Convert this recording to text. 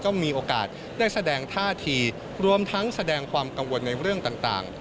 ก็มีโอกาสได้แสดงท่าทีรวมทั้งแสดงความกังวลในเรื่องต่าง